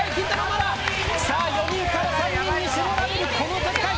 ４人から３人に絞られるこの戦い。